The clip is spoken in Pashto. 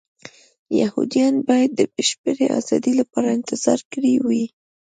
یهودیانو باید د بشپړې ازادۍ لپاره انتظار کړی وای.